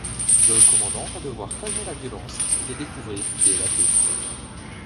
Le commandant va devoir calmer la violence et découvrir qui est la taupe.